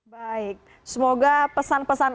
baik semoga pesan pesan